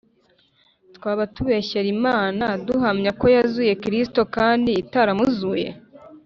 twaba tubeshyera Imana duhamya p ko yazuye Kristo kandi itaramuzuye